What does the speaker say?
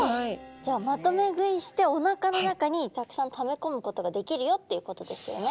じゃあまとめ食いしておなかの中にたくさんためこむことができるよっていうことですよね。